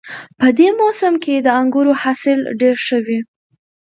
په دې موسم کې د انګورو حاصل ډېر ښه وي